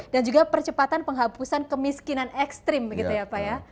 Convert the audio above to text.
dan juga percepatan penghapusan kemiskinan ekstrim begitu ya pak ya